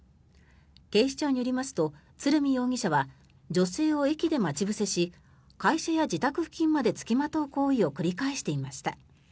警視庁によりますと鶴見容疑者は女性を駅で待ち伏せし会社や自宅付近まで付きまとう行為を繰り返していました。